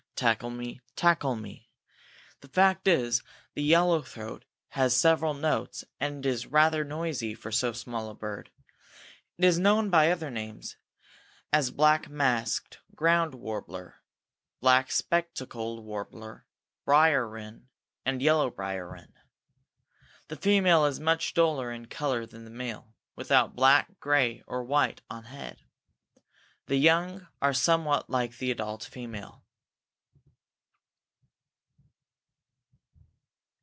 tackle me! tackle me!_ The fact is, the yellow throat has several notes and is rather noisy for so small a bird. It is known by other names, as black masked ground warbler, black spectacled warbler, brier wren, and yellow brier wren. The female is much duller in color than the male, without black, gray, or white on head. The young are somewhat like the adult female.